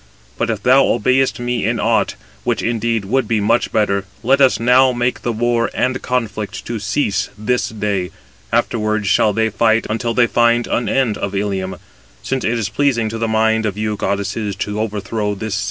But if thou obeyest me in aught, which indeed would be much better, let us now make the war and conflict to cease this day, afterwards shall they fight until they find an end of Ilium; since it is pleasing to the mind of you goddesses to overthrow this city."